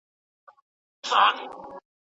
دا چټکتیا ځینې خلک تنګوي.